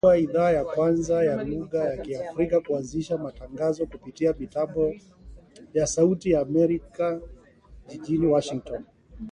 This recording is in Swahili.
Hii ilikua idhaa ya kwanza ya lugha ya Kiafrika kuanzisha matangazo kupitia mitambo ya Sauti ya Amerika jijini Washington.